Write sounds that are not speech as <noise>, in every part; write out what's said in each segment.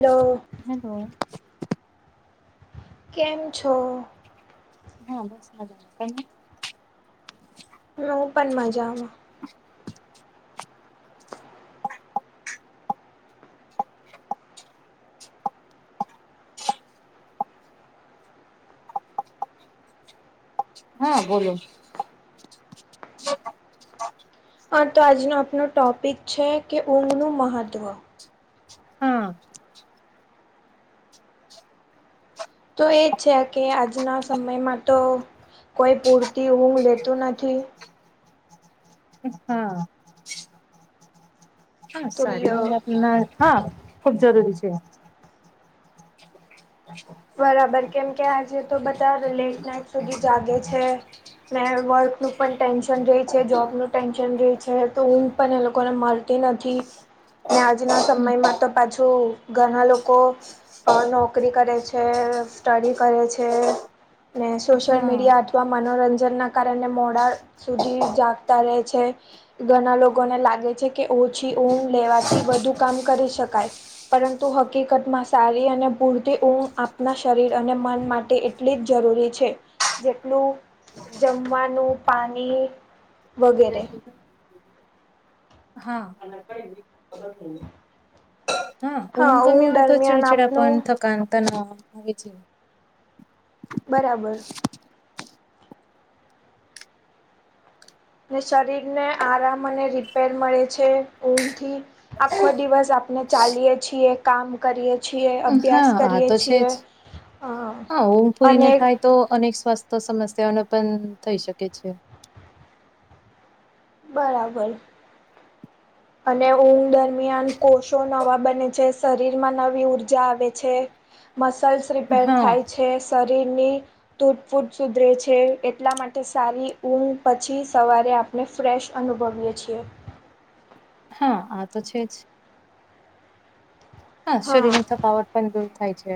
Hello. Hello. કેમ છો. હા બસ મજા તમે હું પણ મજામાં. હા બોલો. હા તો આજનો આપણો ટોપિક છે કે ઊંઘનું મહત્ત્વ. હા. તો એ જ છે કે આજના સમયમાં તો કોઈ પૂરતી ઊંઘ લેતું નથી. હા. હા તો સાડીઓ આપના હા ખૂબ જરૂરી છે. બરાબર કેમ કે આજે તો બધા લેટ નાઇટ સુધી જાગે છે. ને વર્કનું પણ ટેન્શન રહે છે, જોબ નું ટેન્શન રહે છે, તો ઊંઘ પણ એ લોકોને મળ તી નથી. ને આજના સમયમાં તો પાછું ઘના અહ લોકો નોકરી કરે છ. <unintelligible> સ્ટડી કરે છે ને સોશિયલ હા મીડિયા અથવા મનોરંજનના કારણે મોડા સુધી જાગતા રહે છે ઘણા લોકોને લાગે છે કે ઓછી ઊંઘ લેવાથી વધુ કામ કરી શકાય પરંતુ હકીકતમાં સારી અને પૂરતી ઊંઘ આપના શરીર અને મન માટે એટલી જ જરૂરી છે જેટલું જમવાનું પાણી વગેરે હા હા ઊંઘ હા કમી ઊંઘ હોય તો દરમિયાન છેડું છડા આપનું પણ થકાનતા ન <unintelligible> બરાબર ને શરીર ને આરામ અને રિપેર મળે છે ઊંઘથી આખો દિવસ આપણે ચાલીએ છીએ કામ કરીએ છીએ અભ્યાસ હા આ કરીએ તો છે છીએ જ હા ઊંઘ પૂરીને અને થાય તો અનેક સ્વાસ્થ્ય સમસ્યાઓ ન પણ થઈ શકે છે બરાબર અને ઊંઘ દરમિયાન કોષો નવા બને છે શરીર માં નવી ઉર્જા આવે છે મસલ્સ રિપેર હા થાય છે શરીરની તૂટ ફૂટ સુધરે છે એટલા માટે સારી ઊંઘ પછી સવારે આપ ને ફ્રેશ અનુભવીએ છીએ હા આ તો છે જ હા શરીરનીપ <unintelligible> કા વટ પણ દૂર થાય છે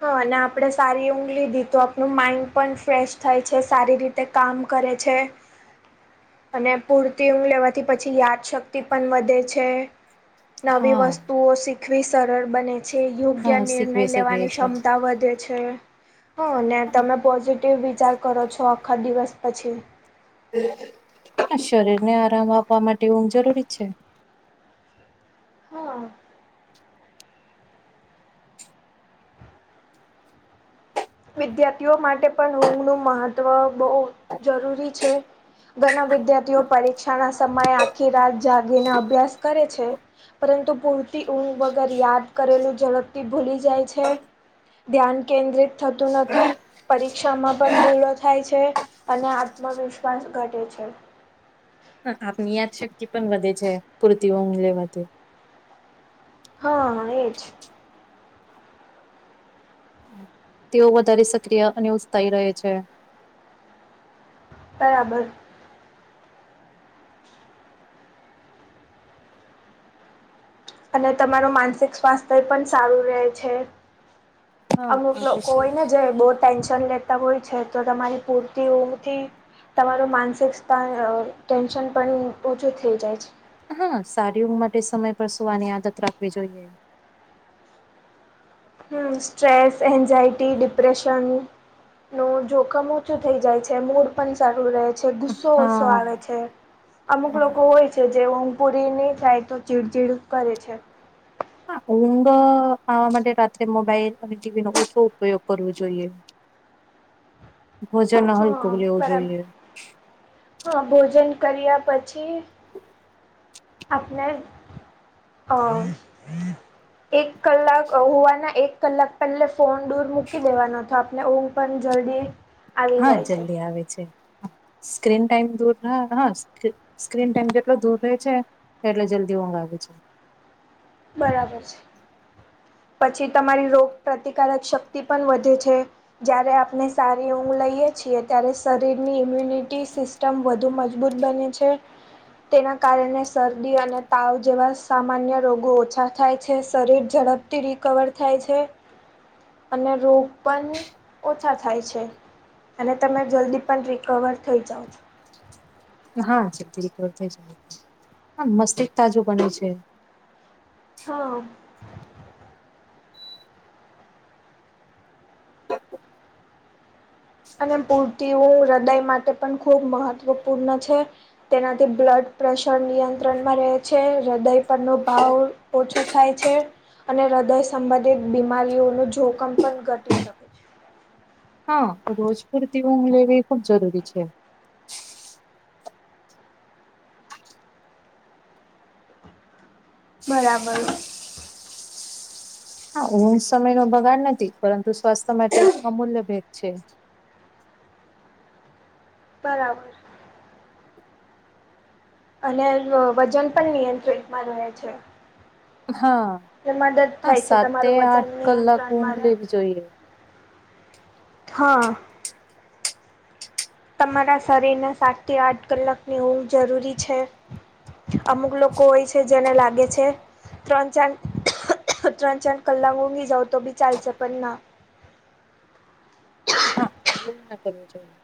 હા અને આપણે સારી ઊંઘ લીધી તો આપણું માઈન્ડ પણ ફ્રેશ થાય છે સારી રીતે કામ કરે છે <inaudible> અને પૂરતી ઊંઘ લેવાથી પછી યાદશક્તિ પણ વધે છે નવી હા વસ્તુઓ શીખવી સરળ બને છે યોગ્ય હા નિર્ણય શીખવી શકીએ લેવાની છે ક્ષમતા વધે છે હા ને તમે પોઝિટિવ વિચાર કરો છો આખા દિવસ પછી શરીર ને આરામ આપવા માટે ઊંઘ જરૂરી છે હા વિદ્યાર્થીઓ માટે પણ ઊંઘનું મહત્વ બહુ જરૂરી છે ઘણા વિદ્યાર્થીઓ પરીક્ષાના સમયે આખી રાત જાગીને અભ્યાસ કરે છે પરંતુ પૂરતી ઊંઘ વગર યાદ કરેલું ઝડપથી ભૂલી જાય છે ધ્યાન કેન્દ્રિત થતું નથી પરીક્ષામાં પણ ભૂલો થાય છે અને આત્મવિશ્વાસ ઘટે છે આપની યાદ શક્તિ પણ વધે છે પૂરતી ઊંઘ લેવાથી હા એજ તેઓ વધારે સક્રિય અને ઉત્સાહી રહે છે બરાબર અને તમારું માનસિક સ્વાસ્થ્ય પણ સારું રહે છે હા અમુક આ તો લોકો છે જ. હોયને જે બોટ ટેન્શન લેતા હોય છે તો તમારી પૂરતી ઊંઘથી તમારું માનસિક સ્થાન ટેન્શન પણ ઓછું થઈ જાય છે હા સારી ઊંઘ માટે સમય પર સુ આની આદત રાખવી જોઈએ હ સ્ટ્રેસ એન્ઝાયટી ડિપ્રેશન નું જોખમ ઓછું થઈ જાય છે મૂળ પણ સારું રહે છે ગુસ્સો ઓછો હા આવે હા. છે અમુક લોકો હોય છે જે ઊંઘપુરી નહી થાય તો ચીડચીડ જ કરે છે હા ઊંઘ આવા માટે રાત્રે મોબાઈલ અને ટીવી નો ઓછો ઉપયોગ કરવો જોઈએ <unintelligible> <inaudible> ભોજન હલકું હા લેવું બરાબર જોઈએ હા ભોજન કર્યા પછી આપપના હ <unintelligible> એક કલાક હોવાના, એક કલાક પહેલે ફોન દૂર મૂકી દેવાનો હતો આપને. પં જરી હા જલ્દી આવે છે. સ્ક્રીન ટાઈમ દૂર હા સ્ક્રીન ટાઈમ કેટલો દૂર રહે છે. એટલે જલ્દી ઊંઘ આવે છે. બરાબર છે. પછી તમારી રોગ પ્રતિકારક શક્તિ પણ વધે છે. જ્યારે આપણે સારી ઊંધ લઈએ છીએ ત્યારે શરીરની ઇમ્યુનિટી સિસ્ટમ વધુ મજબૂત બને છે. તેના કારણે શરદી અને તાવ જેવા સામાન્ય રોગ ઓછા થાય છે. શરીર ઝડપથી રિકવર થાય છે. અને રોગ પણ ઓછા થાય છે. અને તમે જલ્દી પણ રિકવર થઈ જાઓ છો. હા જલ્દી રીકવર થાય છે. મસ્તિષ્ક તાજું બને છે. હા અને પૂર્તિ ઊંધ હૃદય માટે પણ ખૂબ મહત્વપૂર્ણ છે. તેનાથી બ્લડ પ્રેશર નિયંત્રણમાં રહે છે. હૃદય પરનો ભાર ઓછો થાય છે. અને હૃદય સંબંધિત બીમારીઓનું જોખમ પણ ઘટી શકે છે. હા રોજ પૂરતી ઊંઘ લેવી ખુબ જરૂરી છે. બરાબર હા ઊંધધ સમય નો બગાડ નથી. પરંતુ સ્વાસ્થ્ય માટે અમૂલ્ય ભેટ છે. બરાબર અને વજન પણ નિયંત્રિતમાં રહે છે. હા મદદ હા થાય છે સાત થી તમારું વજન આઠ કલાક ઊંઘ નિયંત્રણમાં રહે. લેવી જોઈએ. હા તમારા શરીરના સાતથી આઠ કલાકની ઊંધ જરૂરી છે. અમુક લોકો હોય છે જેને લાગે છે ત્રણ ચાર ત્રણ ચાર કલાક ઊંધી જાવ તો બી ચાલશે પણ ના હા એવું ના કરવું જોઈએ.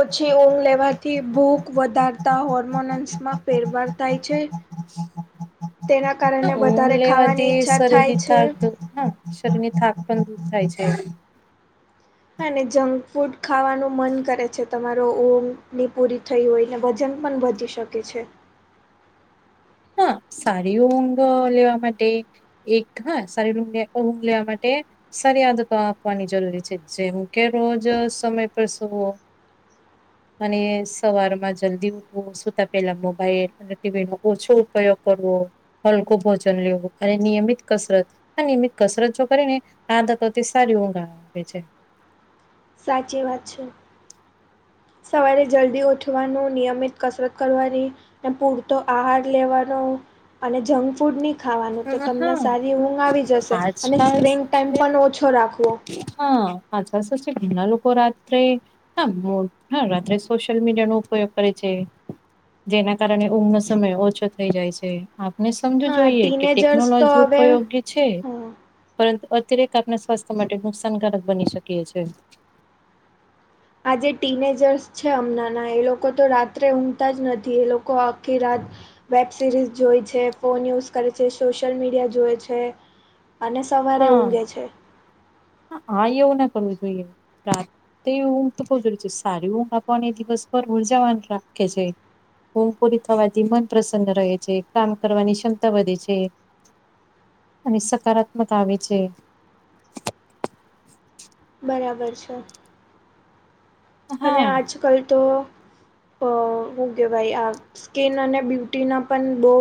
ઓછી ઊંઘ લેવાથી ભૂખ વધારતા હોર્મોનન્સમાં ફેરફાર થાય છે. ા <inaudible> તેના કારણે વધુ લેવાથી શરીર ની થાક હા શરીર ની થાક પણ દૂર થાય છે. હાને જંક ફૂડ ખાવાનું મન કરે છે. તમારો ઊંધની પૂરી થઈ હોય ને વજન પણ વધી શકે. શકે છે. હા સારી ઊંઘ લેવા માટે એક હા સારી ઊંઘ લેવા માટે સારી આદતો આપવાની જરૂરી છે જેમ કે રોજ સમય પર સુવો, અને સવારમાં જલ્દી ઉઠવું સુતા પેલા મોબાઈલ અને ટીવી નો ઓછો ઉપયોગ કરવો, હલકું ભોજન લેવું અને નિયમિત કસરત આ નિયમિત કસરત જો કરીને આદતોથી સારી ઊંઘ આવેે છે. સાચી વાત છે. સવારે જલ્દી ઉઠવાનું, નિયમિત કસરત કરવાની, ને પૂરતો આહાર લેવાનો, અને જંક ફૂડની ખાવાનું તો અ તમને હા સારી ઊંઘ આવી જશે અને આજકાલ સ્ક્રીન શું છે ટાઈમ પણ ઓછો રાખવો. હા આછાસ છે ઘણા લોકો રાત્રે હા હા રાત્રે સોશિયલ મીડિયાનો ઉપયોગ કરે છે. જેના કારણે ઊંઘ નો સમય ઓછો થઈ જાય છે. આપને સમજવું હા જોઈએ કે ટીનેજર્સ તો ટેકનોલોજી હવે ઉપયોગી છે. હા પરંતુ અતિરેક આપણા સ્વાસ્થ્ય માટે નુકસાનકારક બની શકે છે. આજે ટીનેજર્સ છે. હમણાં ના એ લોકો તો રાત્રે ઊંઘતા જ નથી. એ લોકો આખી રાત વેબ સિરીઝ જોવે છે, ફોન યુઝ કરે છે, સોશિયલ મીડિયા જોવે છે. અને સવારે હા ઊંઘે છે. હા એવું ના કરવું જોઈએ. રાતે ઊંઘ તો બહુ જરૂરી છે સારી ઊંઘ આપને દિવસ ભર ઉર્જાવાન રાખે છે. ઊંઘ પોરી થવાથી મન પ્રસન્ન રહે છે કામ કરવાની ક્ષમતા વધે છે. અને સકારાત્મક આવે છે. બરાબર છે, અને હા આજ કલ તો, અ શું કહેવાય આ સ્કીન અને બ્યુટીના પણ બહુ,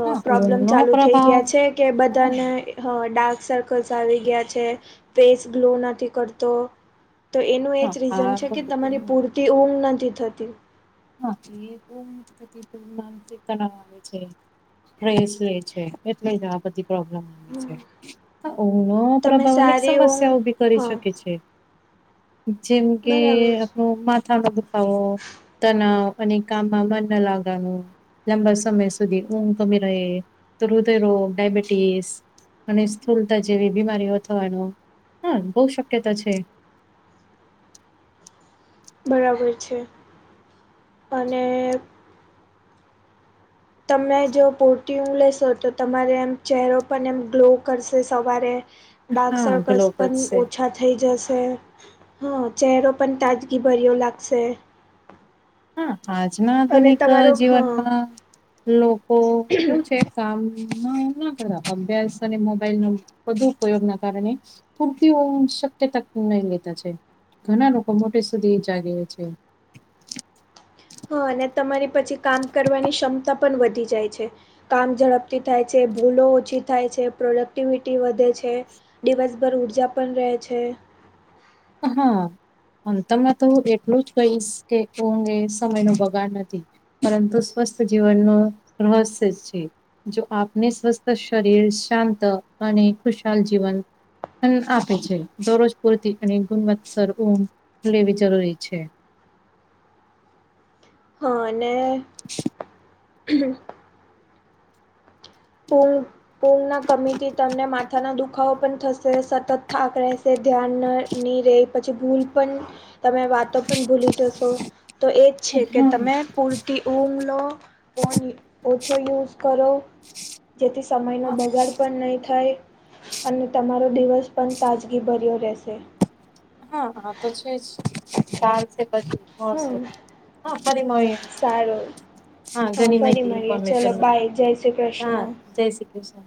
અ હા પ્રોબ્લેમ ઊંઘનો ચાલુ થઈ પ્રભાવ ગયા છે. કે હા બધાને હ ડાર્ક સર્કલ્સ આવી ગયા છે. ફેસ ગ્લો નથી કરતો તો એનું એજ હા રીઝન આ છે કે બધું તમારે પૂર તી ઊંઘ નથી થતી. હા એ બહટી <unintelligible> તણાવ આવે છે. ટ્રેસ લે છે એટલે જ આ બધી પ્રોબ્લેમ, આવે ઊંઘ નો તમે પ્રભાવ અનેક સારી ઊંઘ સમસ્યા ઉભી કરી હા શકે છે. જેમ કે બરાબર છે. આપણો માથામાં દુખાવો. તનાવ અને કામમાં મન ન લાગવાનું. લાંબા સમય સુધી ઊંઘ કમી રહે તો હૃદયરોગ, ડયાબિટીસ. અને સ્થૂલતા જેવી બીમારીઓ થવાનું હા બહુ શક્યતા છે. બરાબર છે અને, તમે જો પૂરતી ઊંઘ લેશો તો તમારે એમ ચહેરો પણ એમ ગ્લો કરશે સવારે, ડાર્ક હા સર્કલ્સ પણ ગ્લોબસ છે ઓછા, થઈ જશે, હં ચહેરો પણ તાજગીભર્યો લાગશે. હા આજના અને આધુનિક તમારો હા જીવનમાં લોકો કેવું છે. કામ ના કર અભ્યાસ અને મોબાઈલ નો વધુ ઉપયોગ ના કારણે, પૂરતી ઊંઘ શક્યતા નહી લેતા છે ઘણા લોકો મોટે સુધી જાગે છે. હા અને તમારી પછી કામ કરવાની ક્ષમતા પણ વધી જાય છે. કામ ઝડપથી થાય છે, ભૂલો ઓછી થાય છે, પ્રોડક્ટિવિટી વધે છે, દિવસભર ઉર્જા પણ રહે છે, હા. અંતમાં તો એટલું જ કહીશ કે ઊંઘ એ સમય નો બગાડ નથી, પરંતુ સ્વસ્થ જીવન નું રહસ્ય છે. જો આપને સ્વસ્થ શરીર શાંત અને ખુશાલ જીવન, આપે છે દરરોજ પૂરતી અને ગુણવત્સર ઊંઘ લેવી જરૂરી છે. અને ઉ ઊંઘ ના કમીથી તમને માત્ મથાના દુખાવો પણ થશે સતત થાક રહેશે ધ્યાન ન નહીં રહે પછી ભૂલ પણ, તમે વાતો પણ ભૂલી જશો તો એજ છે કે હમ તમે પૂરતી, ઊંઘ લો ફોન ઓછો યુઝ કરો. જેથી સમય નો બગાડ પણ નહી થાય. અને તમારો દિવસ પણ તાજગી ભર્યો રહેશે. હા હ આતો છે જ <unintelligible> છે, હમ <unintelligible> હ હ ફરી માંયી, સારું હા ઘણી ફરી માહિતી મળીએ ચલો ઇન્ફોર્મેશન મળી, બાય જય શ્રી હા કૃષ્ણ જય શ્રી કૃષ્ણ.